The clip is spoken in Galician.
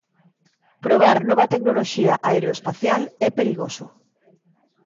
Probar nova tecnoloxía aeroespacial é perigoso.